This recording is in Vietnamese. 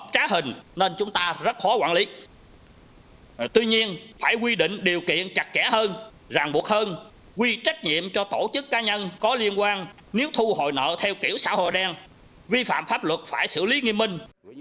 tuy nhiên phải quy định điều kiện chặt chẽ hơn ràng buộc hơn quy trách nhiệm cho tổ chức cá nhân có liên quan nếu thu hồi nợ theo kiểu xã hội đen vi phạm pháp luật phải xử lý nghiêm minh